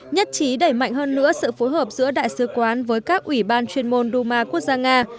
nhất trí đẩy mạnh hơn nữa sự phối hợp giữa đại sứ quán với các ủy ban chuyên môn đu ma quốc gia nga